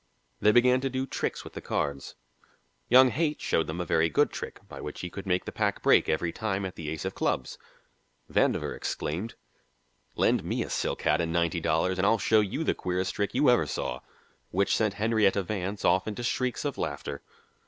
They began to do tricks with the cards. Young Haight showed them a very good trick by which he could make the pack break every time at the ace of clubs. Vandover exclaimed: "Lend me a silk hat and ninety dollars and I'll show you the queerest trick you ever saw," which sent Henrietta Vance off into shrieks of laughter.